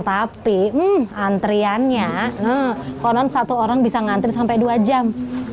tapi antriannya konon satu orang bisa ngantri sampai dua jam